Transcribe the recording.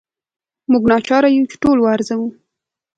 موږ ناچاره یو چې ټول وارزوو.